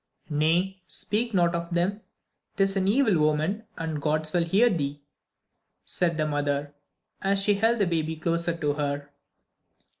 "Nay, speak not of them. 'Tis an evil omen and the gods may hear thee," said the mother, as she held the baby closer to her.